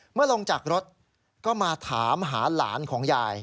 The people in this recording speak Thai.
ลงจากรถก็มาถามหาหลานของยาย